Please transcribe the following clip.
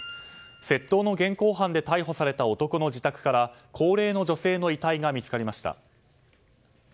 窃盗の現行犯で逮捕された男の自宅から高齢の女性の遺体が見つかりました。